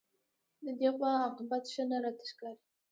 د دې غوا عاقبت ښه نه راته ښکاري